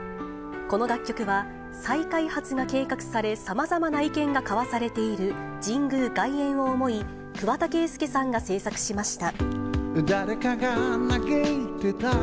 この楽曲は再開発が計画され、さまざまな意見が交わされている神宮外苑を思い、桑田佳祐さんが制作しました。